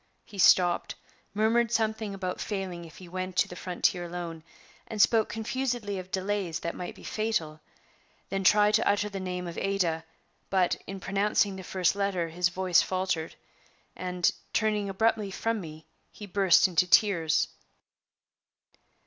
He stopped, murmured something about failing if he went to the frontier alone, and spoke confusedly of delays that might be fatal, then tried to utter the name of "Ada"; but, in pronouncing the first letter, his voice faltered, and, turning abruptly from me, he burst into tears.